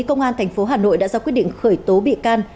công an thành phố hà nội đã do quyết định khởi tố bị can